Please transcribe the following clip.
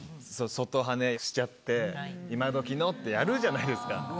外ハネしちゃって今どきのってやるじゃないですか。